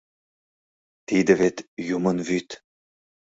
— Тиде вет юмын вӱд.